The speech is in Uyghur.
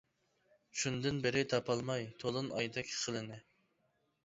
شۇندىن بېرى تاپالماي، تولۇن ئايدەك خىلىنى.